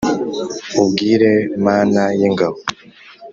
ubwire mana y’ ingabo,